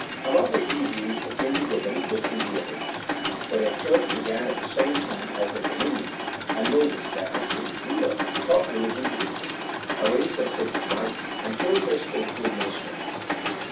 Among the Hebrews things were very differently ar ranged : for their Church began at the same time as their dominion, and Moses, their absolute ruler, taught religion to the people, arranged their sacred rites, and chose their •spiritual ministers.